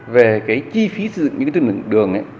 về chi phí xây dựng những đường